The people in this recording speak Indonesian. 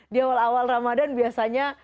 di awal awal ramadan biasanya